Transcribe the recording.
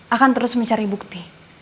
akan terus mencari bukti